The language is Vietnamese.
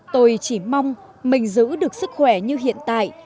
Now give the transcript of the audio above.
tôi chỉ mong mình giữ được sức khỏe như hiện tại